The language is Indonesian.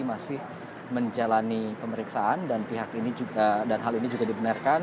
masih menjalani pemeriksaan dan hal ini juga dibenarkan